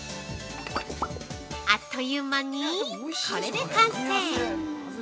あっという間にこれで完成。